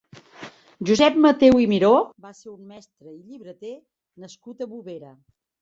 Josep Mateu i Miró va ser un mestre i llibreter nascut a Bovera.